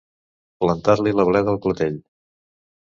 Plantar-li la bleda al clatell.